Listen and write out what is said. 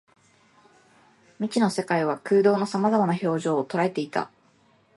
未知の世界は空洞の様々な表情を捉えていた